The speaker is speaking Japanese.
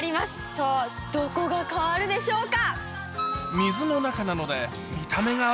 さぁどこが変わるでしょうか？